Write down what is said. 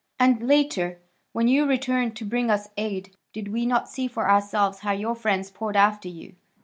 And later, when you returned to bring us aid, did we not see for ourselves how your friends poured after you?